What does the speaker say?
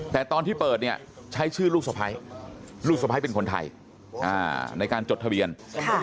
แต่ตอนที่เปิดเนี่ยใช้ชื่อลูกสไภลูกสไภเป็นคนไทยอ่าในการจดทะเบียนค่ะ